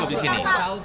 cukup di sini